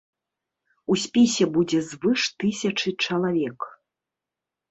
У спісе будзе звыш тысячы чалавек.